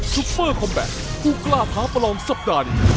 ซุปเปอร์คอมแบตผู้กล้าท้าประลองสัปดาห์